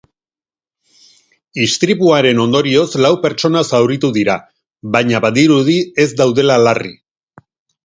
Istripuaren ondorioz lau pertsona zauritu dira, baina badirudi ez daudela larri.